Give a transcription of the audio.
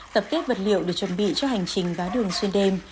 tập kết vật liệu để chuẩn bị cho hành trình vá đường xuyên đêm